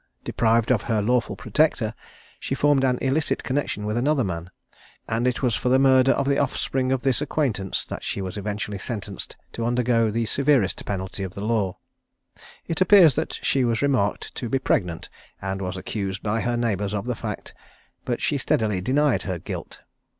Deprived of her lawful protector, she formed an illicit connexion with another man; and it was for the murder of the offspring of this acquaintance that she was eventually sentenced to undergo the severest penalty of the law. It appears that she was remarked to be pregnant, and was accused by her neighbours of the fact, but she steadily denied her guilt.